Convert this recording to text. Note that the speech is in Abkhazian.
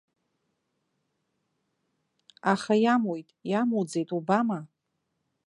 Аха иамуит, иамуӡеит, убама!